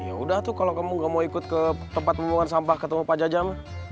ya udah tuh kalau kamu gak mau ikut ke tempat pembuangan sampah ketemu pak jajam